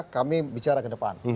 kami bicara ke depan